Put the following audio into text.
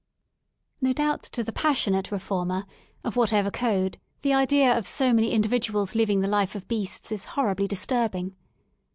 No doubt to the passionate reformer, of whatever code, the idea of so many individuals living the life of beasts is horribly disturbing.